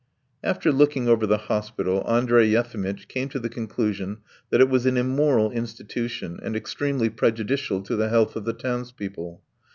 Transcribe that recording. After looking over the hospital Andrey Yefimitch came to the conclusion that it was an immoral institution and extremely prejudicial to the health of the townspeople.